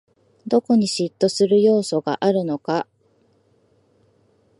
どこに嫉妬する要素があるのか